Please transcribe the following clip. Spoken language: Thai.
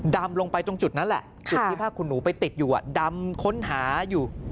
ดำลงไปตรงจุดนั้นแหละจุดที่ผ้าขุนหนูไปติดอยู่ดำค้นหาอยู่